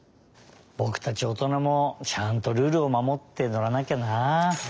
ぼくたちおとなもちゃんとルールをまもってのらなきゃな。